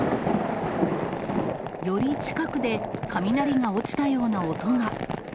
より近くで、雷が落ちたような音が。